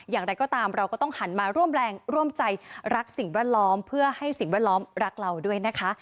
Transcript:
อย่างไรก็ตามเราก็ต้องหันมาร่วมแรงร่วมใจรักสิ่งแวดล้อมเพื่อให้สิ่งแวดล้อมรักเราด้วยนะคะ